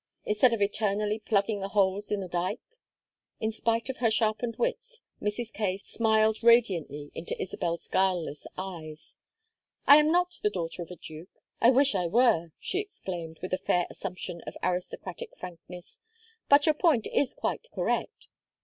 instead of eternally plugging the holes in the dike." In spite of her sharpened wits, Mrs. Kaye smiled radiantly into Isabel's guileless eyes. "I am not the daughter of a duke; I wish I were!" she exclaimed, with a fair assumption of aristocratic frankness. "But your point is quite correct."